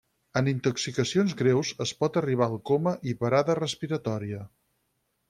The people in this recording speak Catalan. En intoxicacions greus es pot arribar al coma i parada respiratòria.